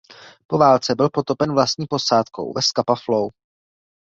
Po válce byl potopen vlastní posádkou ve Scapa Flow.